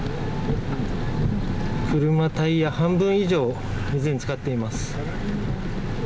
車、タイヤ半分以上、水につかっています。